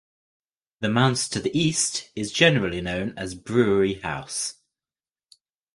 The manse to the east is generally known as "Brewery House".